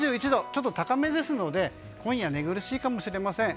ちょっと高めですので、今夜は今夜、寝苦しいかもしれません。